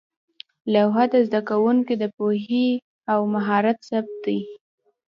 لوحه د زده کوونکو د پوهې او مهارت ثبت وه.